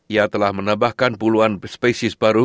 ia telah menambahkan puluhan spesies baru